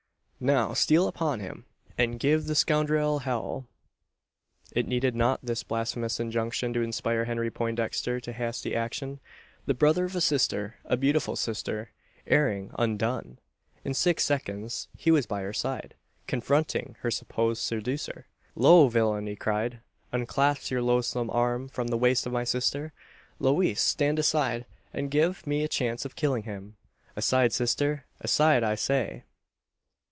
Now! Steal upon him, and give the scoundrel hell!" It needed not this blasphemous injunction to inspire Henry Poindexter to hasty action. The brother of a sister a beautiful sister erring, undone! In six seconds he was by her side, confronting her supposed seducer. "Low villain!" he cried, "unclasp your loathsome arm from the waist of my sister. Louise! stand aside, and give me a chance of killing him! Aside, sister! Aside, I say!"